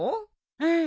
うん？